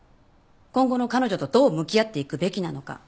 今後の彼女とどう向き合っていくべきなのか。